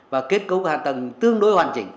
và kết cấu hạ tầng tương đối hoàn chỉnh